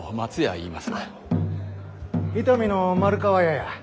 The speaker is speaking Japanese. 伊丹の丸川屋や。